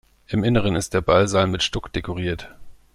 Im Inneren ist der Ballsaal mit Stuck dekoriert.